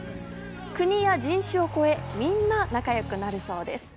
国や人種を越え、みんな仲良くなるそうです。